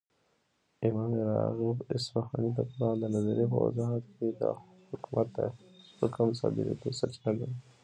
،امام راغب اصفهاني دقران دنظري په وضاحت كې حكومت دحكم دصادريدو سرچينه ګڼي